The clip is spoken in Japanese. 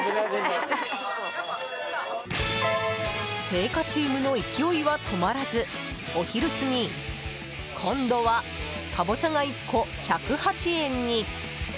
青果チームの勢いは止まらずお昼過ぎ今度はカボチャが１個１０８円に。